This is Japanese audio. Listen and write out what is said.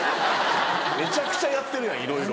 めちゃくちゃやってるやんいろいろ。